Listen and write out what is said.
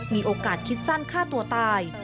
มีโอกาสคิดสั้นฆ่าตัวตาย